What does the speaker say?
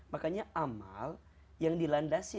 makanya amal yang dilandasi